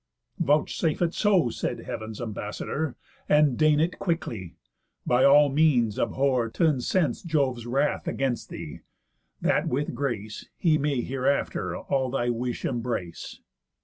"Vouchsafe it so," said heav'n's ambassador, "And deign it quickly. By all means abhor T' incense Jove's wrath against thee, that with grace He may hereafter all thy wish embrace."